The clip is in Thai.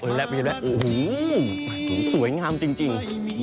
โอ้โฮสวยงามจริง